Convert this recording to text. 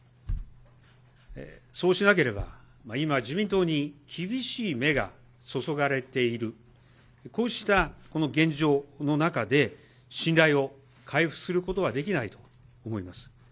そうしなければ、今、自民党に厳しい目が注がれている、こうしたこの現状の中で、信頼を回復することはできないと思います。